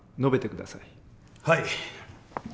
はい。